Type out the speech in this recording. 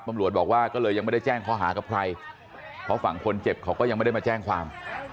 ตำรวจบอกว่าก็เลยยังไม่ได้แจ้งข้อหากับใครเพราะฝั่งคนเจ็บเขาก็ยังไม่ได้มาแจ้งความ